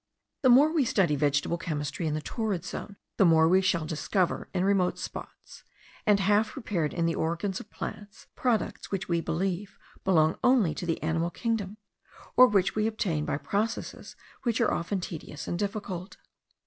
The more we study vegetable chemistry in the torrid zone, the more we shall discover, in remote spots, and half prepared in the organs of plants, products which we believe belong only to the animal kingdom, or which we obtain by processes which are often tedious and difficult.